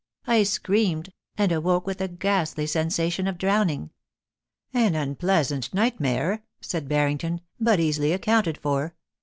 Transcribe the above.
I screamed, and awoke with a ina.stiT sensadcn or crcwning.' *An unpleasant nigfirmare.' said Barrinstcn. 'bur easilv accounted for.